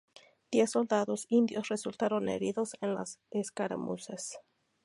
Diez soldados indios resultaron heridos en las escaramuzas.